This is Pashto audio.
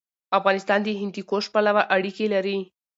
افغانستان د هندوکش پلوه اړیکې لري.